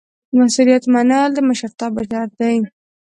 مسؤلیت منل د مشرتابه شرط دی.